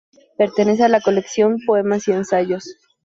Pertenece a la Colección Poemas y Ensayos.